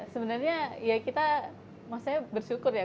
sebenarnya ya kita maksudnya bersyukur ya